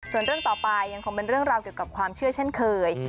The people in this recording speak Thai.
ส่วนเรื่องต่อไปยังคงเป็นเรื่องราวเกี่ยวกับความเชื่อเช่นเคย